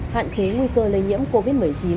hạn chế nguy cơ lây nhiễm covid một mươi chín